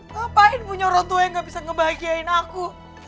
ngapain punya orang tua yang gak bisa ngebahagiain aku